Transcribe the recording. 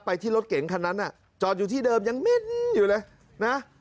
ที่รถเก๋งคันนั้นน่ะจอดอยู่ที่เดิมยังมิ้นอยู่เลยนะ